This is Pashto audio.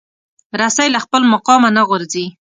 رسۍ له خپل مقامه نه غورځي.